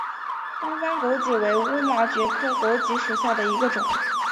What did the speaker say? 东方狗脊为乌毛蕨科狗脊属下的一个种。